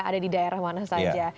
ada di daerah mana saja